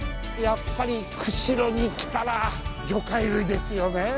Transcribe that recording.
やっぱり釧路に来たら魚介類ですよねえ。